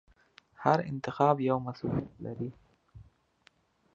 هر انتخاب یو مسوولیت لري.